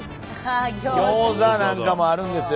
ギョーザなんかもあるんですよ。